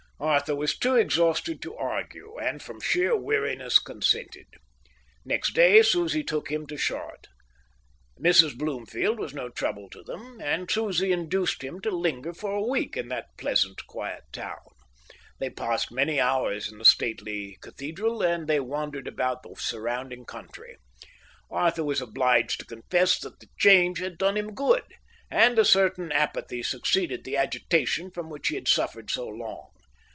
Arthur was too exhausted to argue, and from sheer weariness consented. Next day Susie took him to Chartres. Mrs Bloomfield was no trouble to them, and Susie induced him to linger for a week in that pleasant, quiet town. They passed many hours in the stately cathedral, and they wandered about the surrounding country. Arthur was obliged to confess that the change had done him good, and a certain apathy succeeded the agitation from which he had suffered so long.